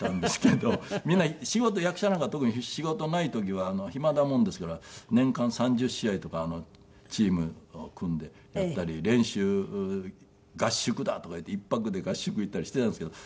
みんな仕事役者なんか特に仕事ない時は暇なもんですから年間３０試合とかチームを組んでやったり練習合宿だとかいって１泊で合宿行ったりしていたんですけど。